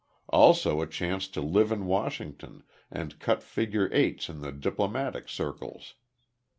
Also a chance to live in Washington and cut figure eights in the diplomatic circles.